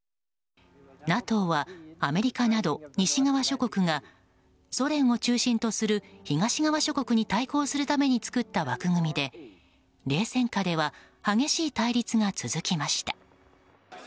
ＮＡＴＯはアメリカなど西側諸国がソ連を中心とする東側諸国に対抗するために作った枠組みで冷戦下では激しい対立が続きました。